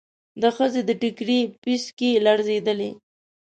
د ښځې د ټکري پيڅکې لړزېدلې.